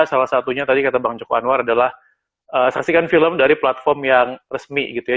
salah satunya tadi kata bang joko anwar adalah saksikan film dari platform yang resmi gitu ya